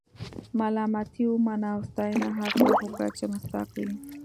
ملامتي ومنه او ستاینه هغه وخت ورکړه چې مستحق وي.